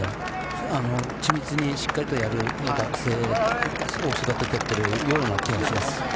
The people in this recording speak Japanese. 緻密にしっかりとやる学生を育ててくれるような気がします。